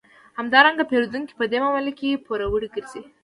همدارنګه پېرودونکی په دې معامله کې پوروړی ګرځي